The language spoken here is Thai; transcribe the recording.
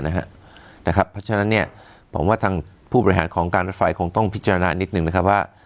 เพราะฉะนั้นผมว่าทางผู้บริหารของการรถไฟคงต้องพิจารณานิดนึงนะครับว่า